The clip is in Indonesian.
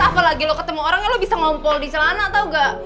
apalagi lo ketemu orangnya lo bisa ngompol di celana tau gak